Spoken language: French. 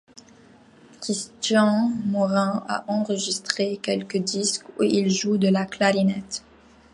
Christian Morin a enregistré quelques disques où il joue de la clarinette.